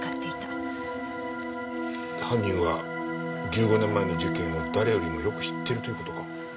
犯人は１５年前の事件を誰よりもよく知ってるという事か。